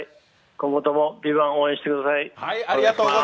今後とも「ＶＩＶＡＮＴ」、応援してください。